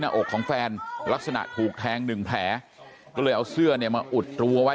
หน้าอกของแฟนลักษณะถูกแทงหนึ่งแผลก็เลยเอาเสื้อเนี่ยมาอุดรั้วไว้